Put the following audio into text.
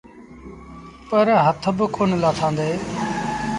پر هٿ با ڪونا لآٿآݩدي۔